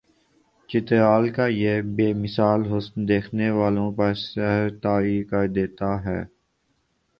چترال کا یہ بے مثال حسن دیکھنے والوں پر سحر طاری کردیتا ہے